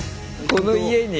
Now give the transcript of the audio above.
この家に？